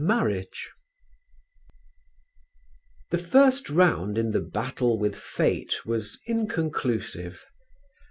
CHAPTER V The first round in the battle with Fate was inconclusive.